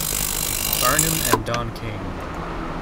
Barnum and Don King.